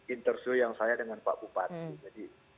interview yang saya dengan pak bupati jadi